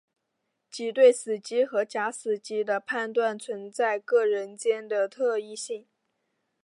即对死机和假死机的判断存在各人间的特异性。